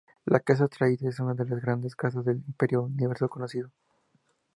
La Casa Atreides es una de las Grandes Casas del Imperio de Universo Conocido.